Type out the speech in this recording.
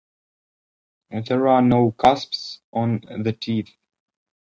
There are no cusps on the teeth.